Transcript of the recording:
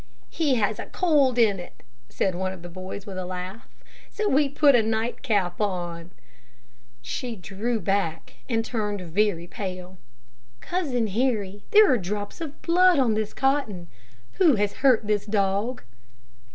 "He has a cold in it," said one of the boys with a laugh; "so we put a nightcap on." She drew back, and turned very pale. "Cousin Harry, there are drops of blood on this cotton. Who has hurt this dog?"